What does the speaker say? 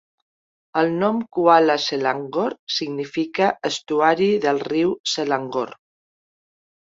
El nom Kuala Selangor significa estuari del riu Selangor.